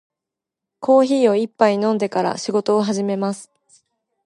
コーヒーを一杯飲んでから仕事を始めます。